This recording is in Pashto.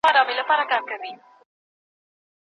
لارښود استاد باید تر کره کتني ډېر خپلو څېړنو ته پام وکړي.